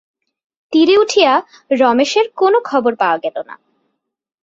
তীরে উঠিয়া রমেশের কোনো খবর পাওয়া গেল না।